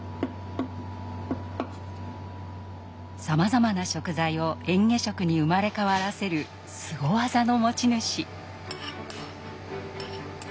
さまざまな食材をえん下食に生まれ変わらせるスゴ技の持ち主。